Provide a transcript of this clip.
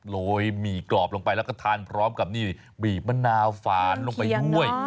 โรยหมี่กรอบลงไปแล้วก็ทานพร้อมกับนี่บีบมะนาวฝานลงไปด้วย